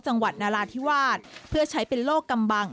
นาราธิวาสเพื่อใช้เป็นโลกกำบัง